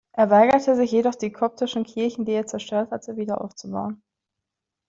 Er weigerte sich jedoch die koptischen Kirchen die er zerstört hatte, wieder aufzubauen.